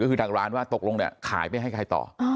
ก็คือทางร้านว่าตกลงเนี่ยขายไปให้ใครต่อ